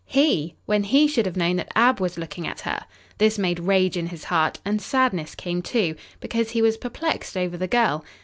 He! when he should have known that Ab was looking at her! This made rage in his heart; and sadness came, too, because he was perplexed over the girl.